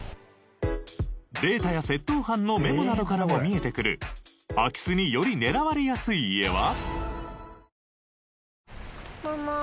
データや窃盗犯のメモなどからも見えてくる空き巣により狙われやすい家は？